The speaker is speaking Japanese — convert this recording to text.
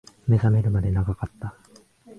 目覚めるまで長かった